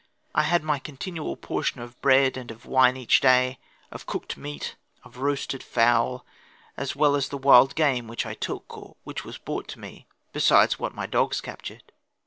I had my continual portion of bread and of wine each day, of cooked meat, of roasted fowl, as well as the wild game which I took, or which was brought to me, besides what my dogs captured.